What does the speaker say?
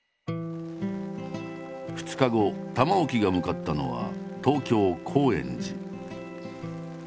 ２日後玉置が向かったのは東京高円寺。